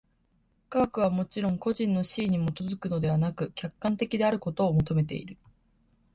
科学はもちろん個人の肆意に基づくのでなく、客観的であることを求めている。